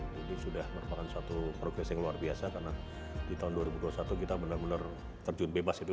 jadi sudah merupakan suatu progress yang luar biasa karena di tahun dua ribu dua puluh satu kita benar benar terjun bebas itu